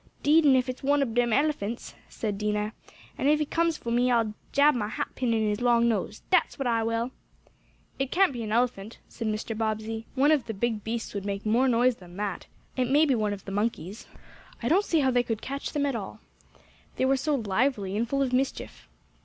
"'Deed an' if it's one ob dem elephants," said Dinah, "an' if he comes fo' me I'll jab mah hat pin in his long nose dat's what I will!" "It can't be an elephant," said Mr. Bobbsey. "One of the big beasts would make more noise than that. It may be one of the monkeys I don't see how they could catch them all they were so lively and full of mischief."